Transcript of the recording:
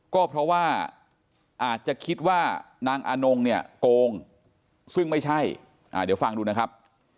ก็เพราะว่าอาจจะคิดว่านางอนงเนี่ยโกงซึ่งไม่ใช่เดี๋ยวฟังดูนะครับ